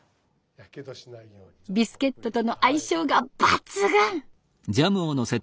ビスケットとの相性が抜群。